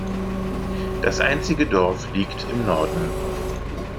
Das einzige Dorf liegt im Norden.